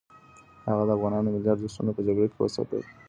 هغه د افغانانو ملي ارزښتونه په جګړه کې وساتل.